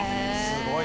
すごい！